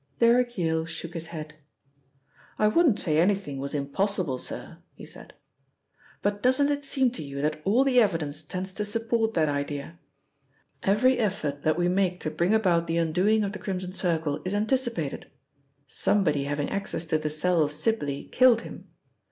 Derrick Yale shook his head. "I wouldn't say anything was impossible, sir," he said, "but doesn't it seem to you that all the evidence tends to support that idea? Every effort that we make to bring about the undoing of the Crimson Circle is anticipated. Somebody having access to the cell of Sibly, killed him.